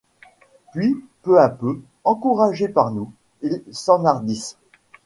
Puis, peu à peu, encouragés par nous, ils s’enhardissent.